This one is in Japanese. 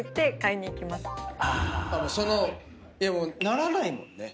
ならないもんね